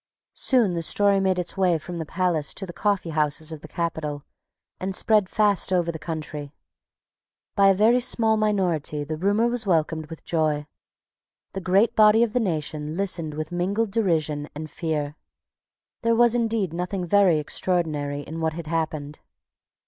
Soon the story made its way from the palace to the coffeehouses of the capital, and spread fast over the country. By a very small minority the rumour was welcomed with joy. The great body of the nation listened with mingled derision and fear. There was indeed nothing very extraordinary in what had happened.